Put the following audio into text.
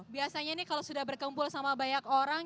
biasanya nih kalau sudah berkumpul sama banyak orang